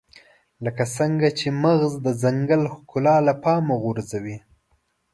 لکه څنګه چې مغز د ځنګل ښکلا له پامه غورځوي.